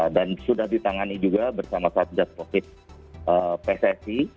dan sudah ditangani juga bersama satujat covid sembilan belas pcsi